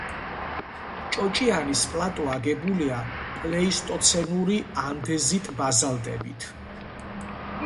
ჭოჭიანის პლატო აგებულია პლეისტოცენური ანდეზიტ-ბაზალტებით.